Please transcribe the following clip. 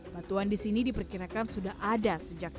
batuan di sini diperkirakan sudah ada sejak